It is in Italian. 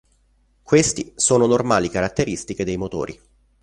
Questi sono normali caratteristiche dei motori.